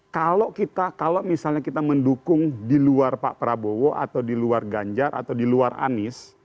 kalau misalnya kita mendukung di luar pak prabowo atau di luar ganjar atau di luar anies